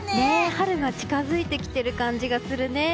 春が近づいてきている感じがするね。